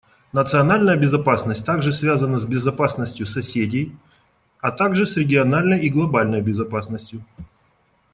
Национальная безопасность также связана с безопасностью соседей, а также с региональной и глобальной безопасностью.